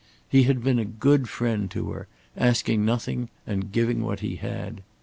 He had been a good friend to her, asking nothing and giving what he had.